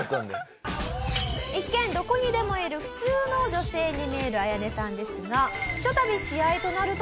一見どこにでもいる普通の女性に見えるアヤネさんですがひとたび。